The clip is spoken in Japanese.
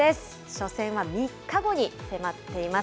初戦は３日後に迫っています。